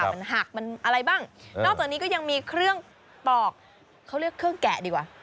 มันหักมันอะไรบ้างนอกจากนี้ก็ยังมีเครื่องปอกเขาเรียกเครื่องแกะดีกว่า